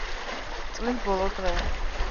წლის ბოლო დღე.